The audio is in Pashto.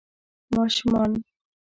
ماشومان